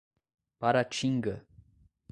Paratinga